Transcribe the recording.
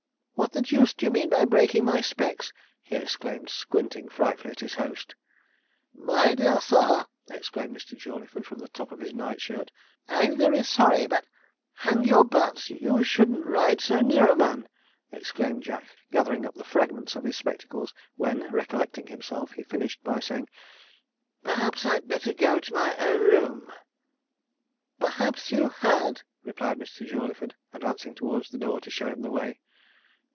what the deuce do you mean by breaking my specs?' he exclaimed, squinting frightfully at his host. 'My dear sir,' exclaimed Mr. Jawleyford, from the top of his night shirt, 'I'm very sorry, but ' 'Hang your buts! you shouldn't ride so near a man!' exclaimed Jack, gathering up the fragments of his spectacles; when, recollecting himself, he finished by saying, 'Perhaps I'd better go to my own room.' 'Perhaps you had,' replied Mr. Jawleyford, advancing towards the door to show him the way.